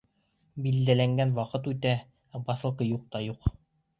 Билдәләнгән ваҡыт үтә, ә посылка юҡ та юҡ.